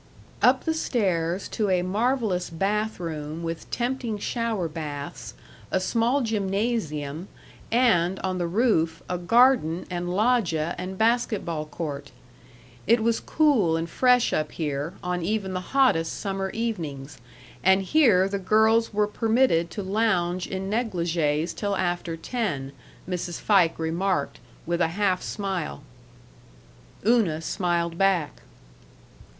Up the stairs to a marvelous bathroom with tempting shower baths, a small gymnasium, and, on the roof, a garden and loggia and basket ball court. It was cool and fresh up here, on even the hottest summer evenings, and here the girls were permitted to lounge in negligées till after ten, Mrs. Fike remarked, with a half smile. Una smiled back.